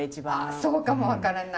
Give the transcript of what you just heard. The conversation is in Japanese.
そうかも分からない。